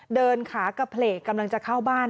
เดินขากระเพลกกำลังจะเข้าบ้าน